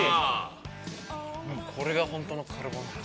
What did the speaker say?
これがホントのカルボナーラ